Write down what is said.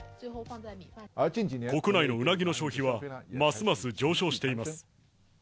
国内のうなぎの消費はますます上昇しています。